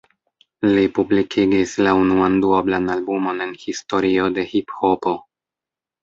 Li publikigis la unuan duoblan albumon en historio de hiphopo.